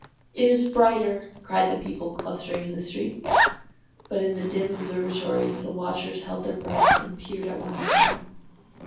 "It is brighter!" cried the people clustering in the streets. But in the dim observatories the watchers held their breath and peered at one another.